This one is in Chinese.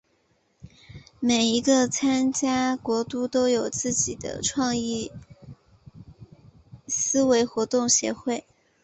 每一个参加国都有自己的创意思维活动协会。